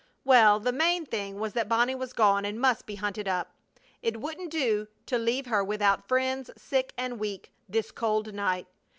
Well, the main thing was that Bonnie was gone and must be hunted up. It wouldn't do to leave her without friends, sick and weak, this cold night.